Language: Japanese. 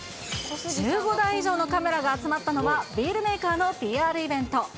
１５台以上のカメラが集まったのは、ビールメーカーのＰＲイベント。